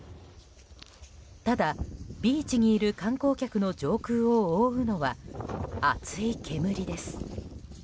ただ、ビーチにいる観光客の上空を覆うのは厚い煙です。